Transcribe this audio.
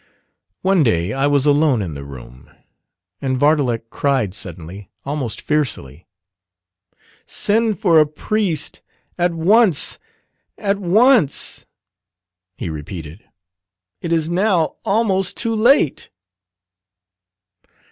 One day I was alone in the room: and Vardalek cried suddenly, almost fiercely, "Send for a priest at once, at once," he repeated. "It is now almost too late!"